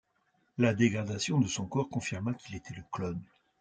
La dégradation de son corps confirma qu'il était le clone.